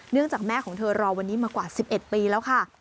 จากแม่ของเธอรอวันนี้มากว่า๑๑ปีแล้วค่ะ